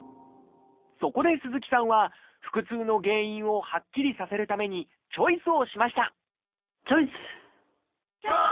そこで鈴木さんは腹痛の原因をはっきりさせるためにチョイスをしましたチョイス！